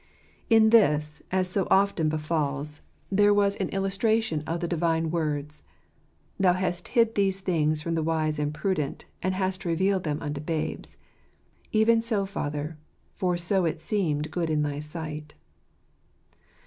In this, as so often befals, there was ait 72 %ljz Stops of tire ® bruit*. illustration of the Divine words, "Thou hast hid these things from the wise and prudent, and hast revealed them unto babes : even so, Father, for so it seemed good in thy sight."